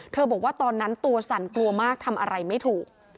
บอกว่าตอนนั้นตัวสั่นกลัวมากทำอะไรไม่ถูก